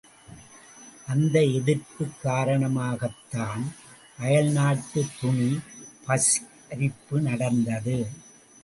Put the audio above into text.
அந்த எதிர்ப்பு காரணமாகத்தான் அயல்நாட்டுத் துணி பகிஷ்கரிப்பு நடந்தது.